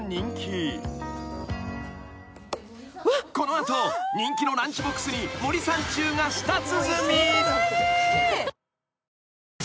［この後人気のランチボックスに森三中が舌鼓］